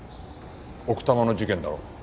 奥多摩の事件だろ？